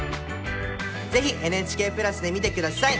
是非ＮＨＫプラスで見て下さい！